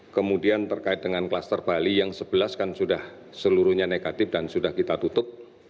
kemudian terkait dengan kluster bali yang sebelas kan sudah seluruhnya negatif dan sudah kita tutup